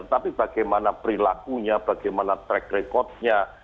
tapi bagaimana perilakunya bagaimana track record nya